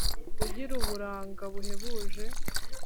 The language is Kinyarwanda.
ugira uburanga buhebuje